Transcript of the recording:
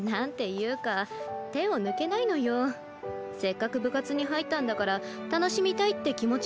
せっかく部活に入ったんだから楽しみたいって気持ちもあるんだけど。